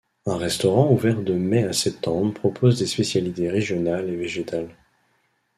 Un restaurant ouvert de mai à septembre propose des spécialités régionales et végétales.